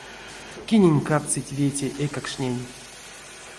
Кинень кадсыть вете эйкакштнень.